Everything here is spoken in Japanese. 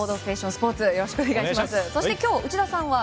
スポーツよろしくお願いします。